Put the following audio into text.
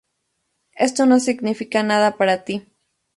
Esto no significa nada para ti".